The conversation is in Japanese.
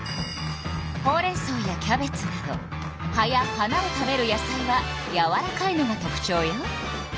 ほうれんそうやキャベツなど葉や花を食べる野菜はやわらかいのが特ちょうよ。